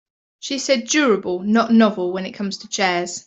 She said durable not novel when it comes to chairs.